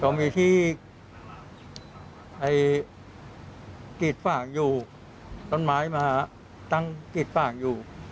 ก็มีที่กีดฝ่างอยู่ต้นไม้มาตั้งกีดฝ่างอยู่